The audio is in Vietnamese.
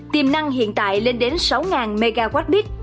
tiềm năng hiện tại lên đến sáu mwp